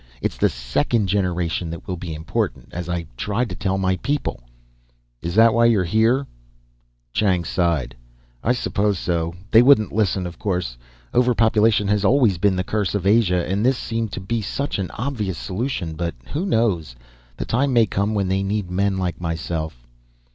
"It's the second generation that will be important. As I tried to tell my people " "Is that why you're here?" Chang sighed. "I suppose so. They wouldn't listen, of course. Overpopulation has always been the curse of Asia, and this seemed to be such an obvious solution. But who knows? The time may come when they need men like myself."